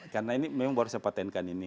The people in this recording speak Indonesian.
karena ini memang baru saya patenkan ini